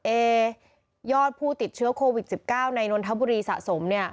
ยอดผู้ติดเชื้อโควิด๑๙ในนนทบุรีสะสมเนี่ย